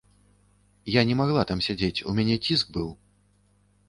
Я не магла там сядзець, у мяне ціск быў!